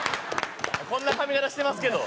こんな髪形してますけど。